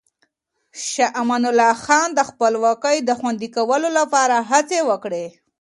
شاه امان الله خان د خپلواکۍ د خوندي کولو لپاره هڅې وکړې.